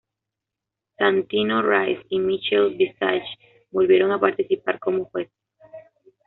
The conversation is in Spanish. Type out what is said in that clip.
Santino Rice y Michelle Visage volvieron a participar como jueces.